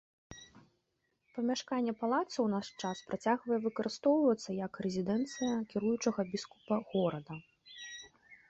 Памяшканне палаца ў наш час працягвае выкарыстоўвацца як рэзідэнцыя кіруючага біскупа горада.